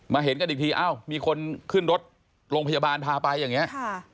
เห็นกันอีกทีอ้าวมีคนขึ้นรถโรงพยาบาลพาไปอย่างนี้